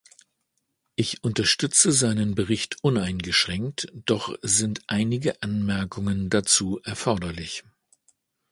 Ich unterstütze seinen Bericht uneingeschränkt, doch sind einige Anmerkungen dazu erforderlich.